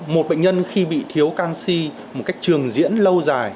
một bệnh nhân khi bị thiếu canxi một cách trường diễn lâu dài